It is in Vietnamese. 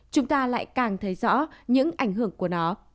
chúng ta lại càng thấy rõ những ảnh hưởng của nó